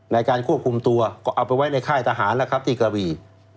ในการควบคุมตัวก็เอาไปไว้ในค่ายทหารแล้วครับที่กระบี่